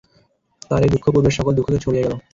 তাঁর এ দুঃখ পূর্বের সকল দুঃখকে ছাড়িয়ে গেল।